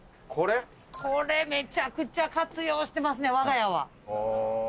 これめちゃくちゃ活用してますねわが家は。